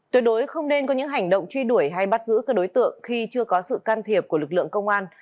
tuyệt đối không nên có những hành động truy đuổi hay bắt giữ các đối tượng khi chưa có sự can thiệp của lực lượng công an